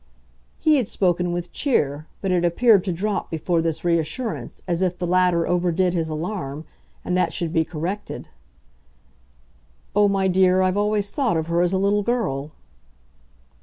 He had spoken with cheer, but it appeared to drop before this reassurance, as if the latter overdid his alarm, and that should be corrected. "Oh, my dear, I've always thought of her as a little girl."